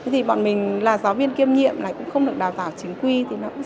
thì bọn mình là giáo viên kiêm nhiệm